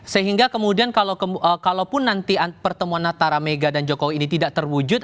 sehingga kemudian kalaupun nanti pertemuan antara mega dan jokowi ini tidak terwujud